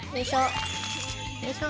よいしょ。